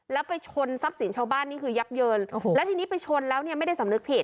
แล้วไปชนทรัพย์สินชาวบ้านนี่คือยับเยินโอ้โหแล้วทีนี้ไปชนแล้วเนี่ยไม่ได้สำนึกผิด